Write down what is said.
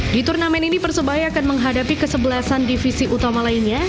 di turnamen ini persebaya akan menghadapi kesebelasan divisi utama lainnya